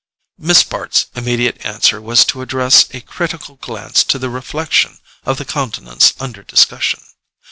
Miss Bart's immediate answer was to address a critical glance to the reflection of the countenance under discussion.